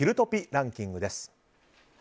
ランキングです。